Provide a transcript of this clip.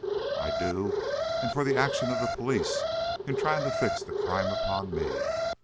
"I do; and for the action of the police in trying to fix the crime upon me.